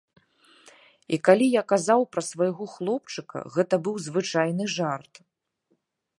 І калі я казаў пра свайго хлопчыка, гэта быў звычайны жарт.